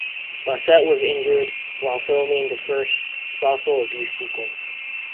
Bassett was injured while filming the first spousal abuse sequence.